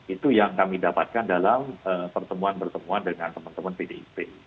itu yang kami dapatkan dalam pertemuan pertemuan dengan teman teman pdip